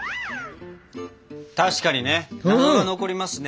確かにね謎が残りますね。